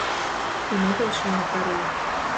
І мы пайшлі на прарыў.